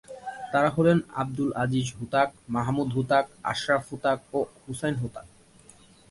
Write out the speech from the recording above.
তারা হলেন আবদুল আজিজ হুতাক, মাহমুদ হুতাক, আশরাফ হুতাক ও হুসাইন হুতাক।